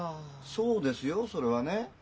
そうですよそれはね。